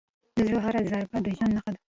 د زړه هره ضربه د ژوند نښه ده.